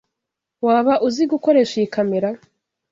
Waba uzi gukoresha iyi kamera?